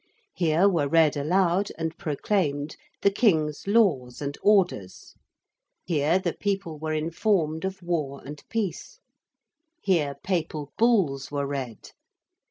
Here were read aloud, and proclaimed, the King's Laws and Orders: here the people were informed of War and Peace: here Papal Bulls were read.